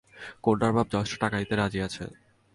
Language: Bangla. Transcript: কন্যার বাপ যথেষ্ট টাকা দিতে রাজি আছেন।